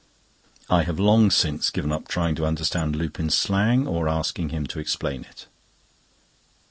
I have long since given up trying to understand Lupin's slang, or asking him to explain it.